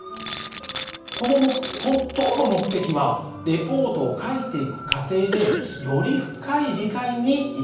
この本当の目的はレポートを書いていく過程でより深い理解に至る。